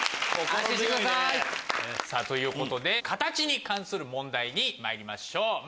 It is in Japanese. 安心してください。ということでカタチに関する問題にまいりましょう。